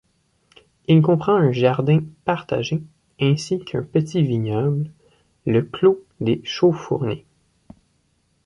Il comprend un jardin partagé ainsi qu'un petit vignoble, le clos des Chaufourniers.